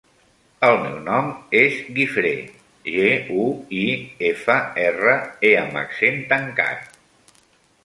El meu nom és Guifré: ge, u, i, efa, erra, e amb accent tancat.